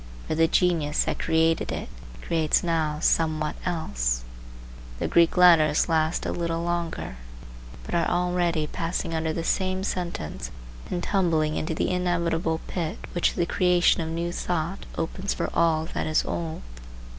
For the genius that created it creates now somewhat else. The Greek letters last a little longer, but are already passing under the same sentence and tumbling into the inevitable pit which the creation of new thought opens for all that is old.